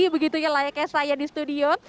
begitu ya layaknya saya di studio